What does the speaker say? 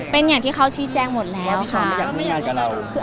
เป็นอย่างที่เขาชี้แจงหมดแล้ว